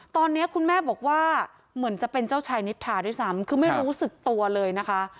ตอนนี้คุณแม่บอกว่าเหมือนจะเป็นเจ้าชายนิทาด้วยซ้ำคือไม่รู้สึกตัวเลยนะคะ